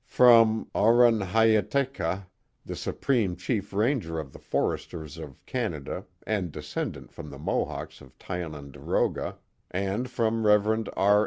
*' From Oronhyatekha, the Supreme Chief Ranger of the Foresters of Canada and descendant from the Mohawks of Tiononderoga, and from Rev. R.